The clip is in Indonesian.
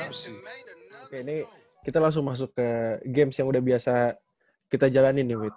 oke ini kita langsung masuk ke games yang udah biasa kita jalanin nih